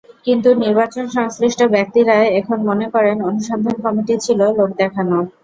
কিন্তু নির্বাচনসংশ্লিষ্ট ব্যক্তিরা এখন মনে করেন, অনুসন্ধান কমিটি ছিল লোক দেখানো।